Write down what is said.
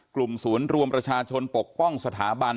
ศูนย์รวมประชาชนปกป้องสถาบัน